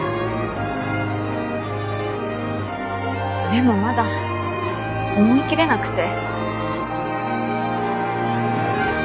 でもまだ思い切れなくて。